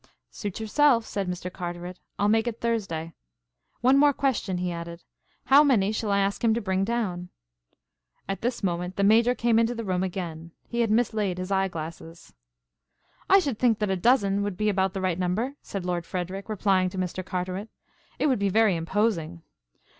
"Suit yourself," said Mr. Carteret. "I'll make it Thursday. One more question," he added. "How many shall I ask him to bring down?" At this moment the Major came into the room again. He had mislaid his eyeglasses. "I should think that a dozen would be about the right number," said Lord Frederic, replying to Mr. Carteret. "It would be very imposing."